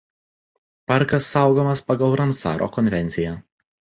Parkas saugomas pagal Ramsaro konvenciją.